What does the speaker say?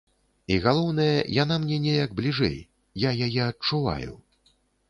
І галоўнае, яна мне неяк бліжэй, я яе адчуваю.